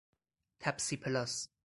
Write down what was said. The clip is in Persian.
تپسی پلاس